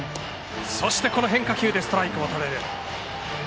そして変化球でストライクもとれる。